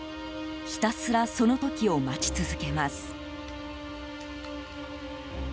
ひたすらその時を待ち続けます。